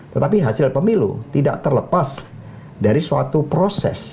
tetapi hasil pemilu tidak terlepas dari suatu proses